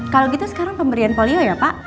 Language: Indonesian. kalau gitu sekarang pemberian polio ya pak